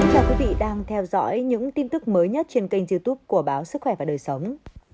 chào quý vị đang theo dõi những tin tức mới nhất trên kênh youtube của báo sức khỏe và đời sống